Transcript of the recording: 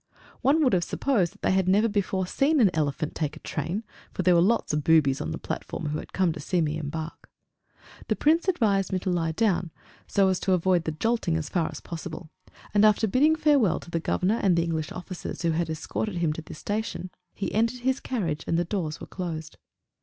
One would have supposed that they had never before seen an elephant take a train, for there were a lot of boobies on the platform who had come to see me embark. The Prince advised me to lie down so as to avoid the jolting as far as possible. And after bidding farewell to the Governor and the English officers who had escorted him to the station, he entered his carriage, and the doors were closed.